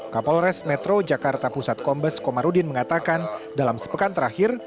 kapolres metro jakarta pusat kombes komarudin mengatakan dalam sepekan terakhir